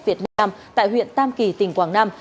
việt nam tại huyện tam kỳ tỉnh quảng nam